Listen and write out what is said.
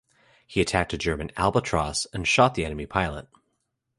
He attacked a German "Albatros" and shot the enemy pilot.